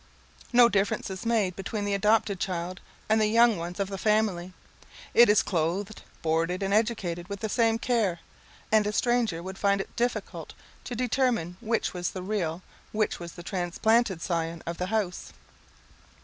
No difference is made between the adopted child and the young ones of the family; it is clothed, boarded, and educated with the same care, and a stranger would find it difficult to determine which was the real, which the transplanted scion of the house.